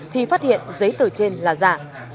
thì phát hiện giấy tử trên là giả